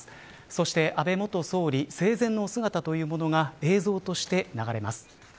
そして、安倍元総理生前のお姿というものが映像として流れます。